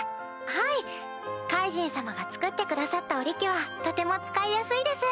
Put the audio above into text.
はいカイジン様が作ってくださった織機はとても使いやすいです。